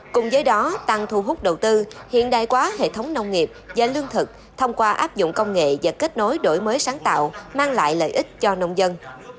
cùng với đó tăng thu hút đầu tư hiện đại quá hệ thống nông nghiệp và lương thực thông qua áp dụng công nghệ và kết nối đổi mới sáng tạo mang lại lợi ích cho nông dân